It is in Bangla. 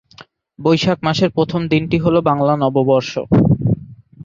বৈশাখ মাসের প্রথম দিনটি হল বাংলা নববর্ষ।